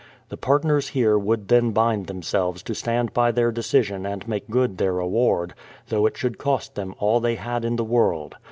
The partners here would then bind themselves to stand by their decision and make good their award, though it should cost them all they had in the world.